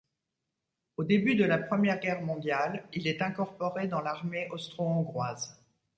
Au début de la Première Guerre mondiale, il est incorporé dans l'armée austro-hongroise.